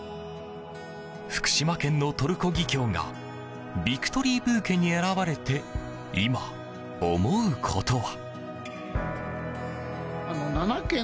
福島県のトルコギキョウがビクトリーブーケに選ばれて今、思うことは。